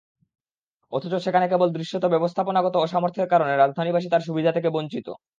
অথচ সেখানে কেবল দৃশ্যত ব্যবস্থাপনাগত অসামর্থ্যের কারণে রাজধানীবাসী তার সুবিধা থেকে বঞ্চিত।